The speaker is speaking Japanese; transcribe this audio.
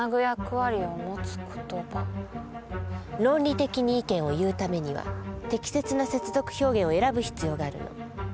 論理的に意見を言うためには適切な接続表現を選ぶ必要があるの。